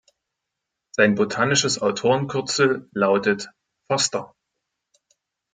Sein botanisches Autorenkürzel lautet „Foster“.